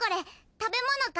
食べ物か？